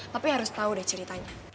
tapi harus tahu deh ceritanya